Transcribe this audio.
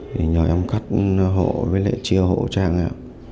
thì nhờ em cắt hộ với lại chia hộ trang